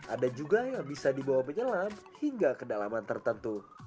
ada juga yang bisa dibawa penyelam hingga kedalaman tertentu